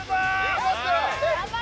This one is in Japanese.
頑張れ！